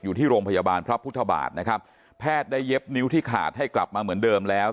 อยู่ที่โรงพยาบาลพระพุทธบาทนะครับแพทย์ได้เย็บนิ้วที่ขาดให้กลับมาเหมือนเดิมแล้ว